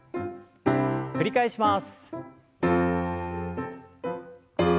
繰り返します。